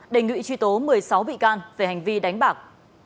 đề nghị truy tố một mươi sáu bị can về hành vi đánh bạc